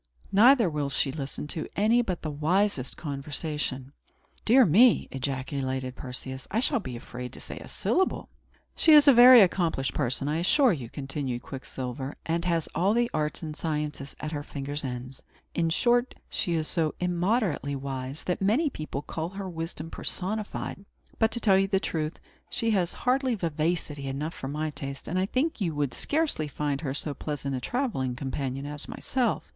Neither will she listen to any but the wisest conversation." "Dear me!" ejaculated Perseus; "I shall be afraid to say a syllable." "She is a very accomplished person, I assure you," continued Quicksilver, "and has all the arts and sciences at her fingers' ends. In short, she is so immoderately wise, that many people call her wisdom personified. But, to tell you the truth, she has hardly vivacity enough for my taste; and I think you would scarcely find her so pleasant a travelling companion as myself.